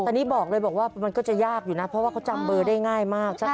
ตอนนี้บอกเลยบอกว่ามันก็จะยากอยู่นะเพราะว่าเขาจำเบอร์ได้ง่ายมาก